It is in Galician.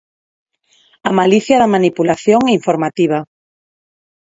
A malicia da manipulación informativa.